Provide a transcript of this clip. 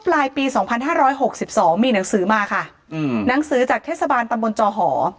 ปลายปี๒๕๖๒มีหนังสือมาค่ะอืมหนังสือจากเทศบาลตำบลจอหอ